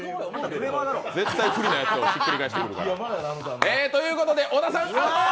絶対不利なやつをひっくり返してくるから。ということで、小田さんアウト。